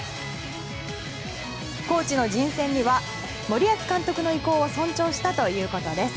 コーチの人選には森保監督の意向を尊重したということです。